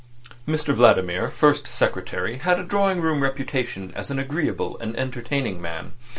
Mr Vladimir, First Secretary, had a drawing room reputation as an agreeable and entertaining man.